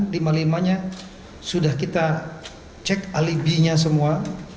lima limanya sudah kita cek alibinya semua